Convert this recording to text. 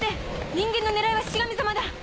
人間の狙いはシシ神様だ。